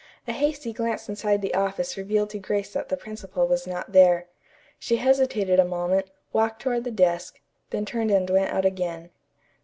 A hasty glance inside the office revealed to Grace that the principal was not there. She hesitated a moment, walked toward the desk, then turned and went out again.